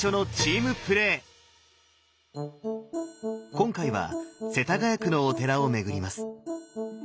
今回は世田谷区のお寺を巡ります。